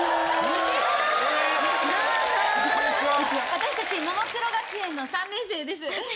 私たちももクロ学園の３年生です。